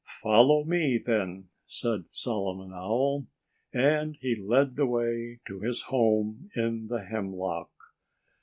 "Follow me, then!" said Solomon Owl. And he led the way to his home in the hemlock.